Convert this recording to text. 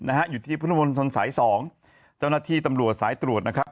นะฮะอยู่ที่พุทธมนตรสายสองเจ้าหน้าที่ตำรวจสายตรวจนะครับ